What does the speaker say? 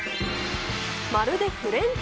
まるでフレンチ。